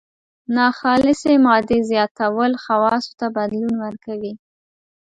ناخالصې مادې زیاتول خواصو ته بدلون ورکوي.